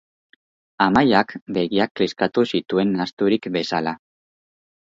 Amaiak begiak kliskatu zituen nahasturik bezala.